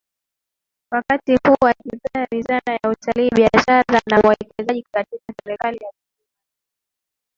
Wakati huu akipewa wizara ya Utali Biashara na Uwekezaji katika serikali ya visiwani